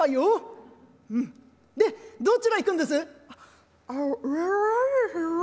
うん。でどちら行くんです？」。